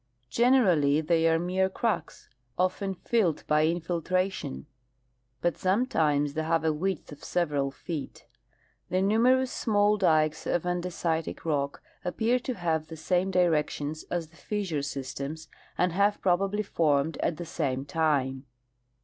Generally they are mere cracks, often filled by infiltration, but sometimes they have a width of several feet. The numerous small dikes of andesitic rock appear to have the same directions as tlie fissure systems, and were probably formed at the same time.